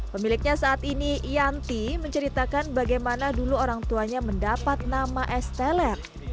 pemiliknya saat ini yanti menceritakan bagaimana dulu orang tuanya mendapat nama es teler